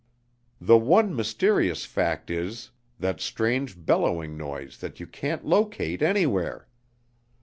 The one mysterious fact is, that strange bellowing noise that you can't locate anywhere.